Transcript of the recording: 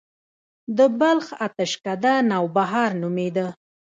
د بلخ اتشڪده نوبهار نومیده